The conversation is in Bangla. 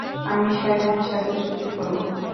আমি শয়তানের সাথে চুক্তি করব।